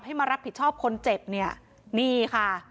ให้มารับผิดชอบคนเจ็บนี่ค่ะ